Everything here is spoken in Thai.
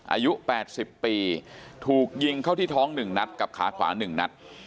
อายุแปดสิบปีถูกยิงเข้าที่ท้องหนึ่งนัดกับขาขวานหนึ่งนัด